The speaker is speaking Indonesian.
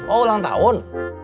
oh ulang tahun